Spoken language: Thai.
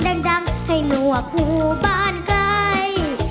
ดังให้หนวกหูบ้านใกล้